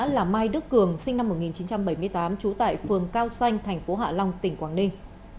là mai đức cường sinh năm một nghìn chín trăm bảy mươi tám trú tại phường cao xanh thành phố hạ long tỉnh quảng ninh